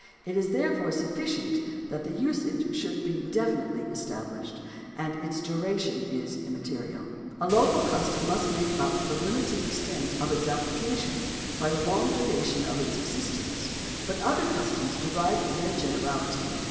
It is there sufficient that the usage should be definitely estab lished, and its duration is immaterial. A local custom must make up for the limited extent of its application by the long duration of its existence, but other customs derive from their vol, i.